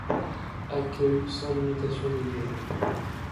Accueil sans limitation de durée.